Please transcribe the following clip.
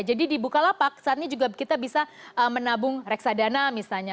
jadi di bukalapak saat ini juga kita bisa menabung reksadana misalnya